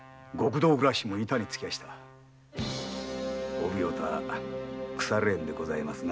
お奉行とはクサレ縁でございますな。